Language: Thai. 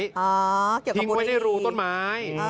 อ๋อเกี่ยวกับบุหรี่ทิ้งไว้ในรูต้นไม้